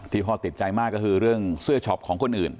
พ่อติดใจมากก็คือเรื่องเสื้อช็อปของคนอื่น